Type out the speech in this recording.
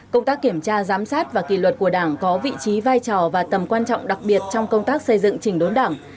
công tác kiểm tra giám sát và kỳ luật của đảng có vị trí vai trò và tầm quan trọng đặc biệt trong công tác xây dựng trình đốn đảng